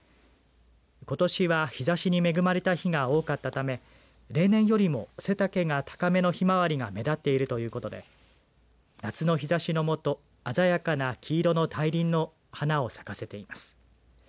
ことしは、日ざしに恵まれた日が多かったため例年よりも背丈が高めのひまわりが目立っているということで夏の日ざしのもと鮮やかな黄色の大輪の花を咲かせています。